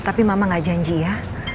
tapi mama gak janji ya